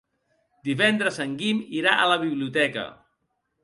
Divendres en Guim irà a la biblioteca.